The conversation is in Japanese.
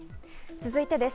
続いてです。